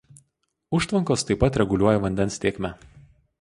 Užtvankos taip pat reguliuoja vandens tėkmę.